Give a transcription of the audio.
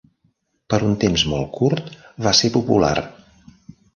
Per un temps molt curt va ser popular.